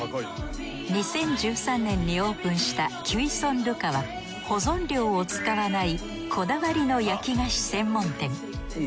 ２０１３年にオープンしたキュイソンルカは保存料を使わないこだわりの焼き菓子専門店。